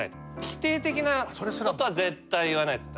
否定的なことは絶対言わないです。